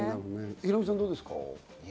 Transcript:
ヒロミさん、どうですか？